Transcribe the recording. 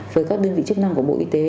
với các đơn vị chức năng của bộ y tế